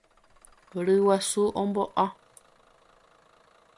Ryguasu ombo'a.